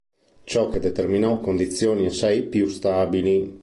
Ciò che determinò condizioni assai più stabili.